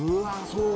そう